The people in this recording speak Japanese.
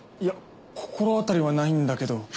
いや心当たりはないんだけど。